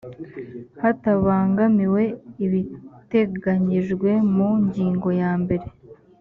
hatabangamiwe ibiteganyijwe mu ngingo ya mbere